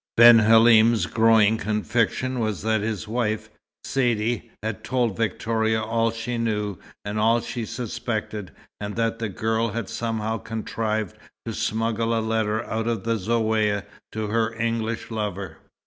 Ben Halim's growing conviction was that his wife, Saidee, had told Victoria all she knew and all she suspected, and that the girl had somehow contrived to smuggle a letter out of the Zaouïa to her English lover.